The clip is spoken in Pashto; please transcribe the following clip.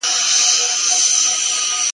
پوليس د کور ځيني وسايل له ځان سره وړي-